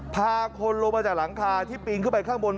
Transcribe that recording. พาคนลงมาจากหลังคาที่ปีนขึ้นไปข้างบน